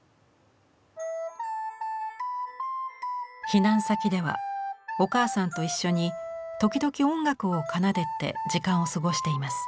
避難先ではお母さんと一緒に時々音楽を奏でて時間を過ごしています。